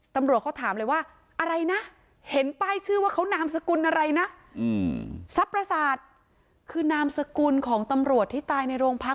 ตำรวจเขาถามเลยว่าอะไรนะเห็นป้ายชื่อว่าเขานามสกุลอะไรนะทรัพย์ประสาทคือนามสกุลของตำรวจที่ตายในโรงพัก